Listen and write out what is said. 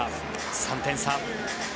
３点差。